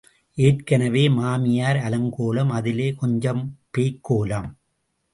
ஏற்கனவே மாமியார் அலங்கோலம் அதிலே கொஞ்சம் பேய்க் கோலம்.